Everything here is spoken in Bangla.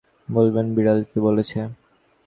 আপনাকে তা শোনাব এবং আপনি বলবেন-বিড়াল কী বলছে।